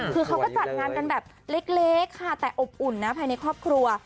คือเขาก็จัดงานกันแบบเล็กค่ะแต่อบอุ่นนะภายในครอบครัว